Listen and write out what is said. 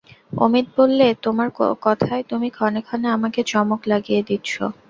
অমিত বললে, তোমার কথায় তুমি ক্ষণে ক্ষণে আমাকে চমক লাগিয়ে দিচ্ছ।